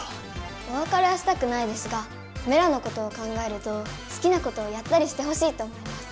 おわかれはしたくないですがメラのことを考えるとすきなことをやったりしてほしいと思います。